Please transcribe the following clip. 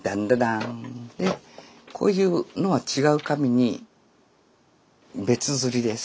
でこういうのは違う紙に別刷りです。